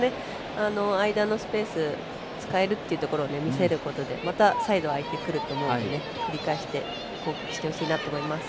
間のスペース使えることを見せることで、またサイドが空いてくると思うので繰り返して攻撃してほしいなと思います。